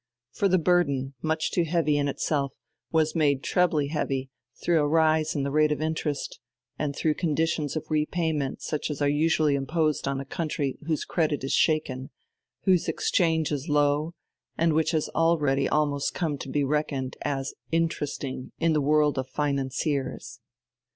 For the burden, much too heavy in itself, was made trebly heavy through a rise in the rate of interest and through conditions of repayment such as are usually imposed on a country whose credit is shaken, whose exchange is low, and which has already almost come to be reckoned as "interesting" in the world of financiers.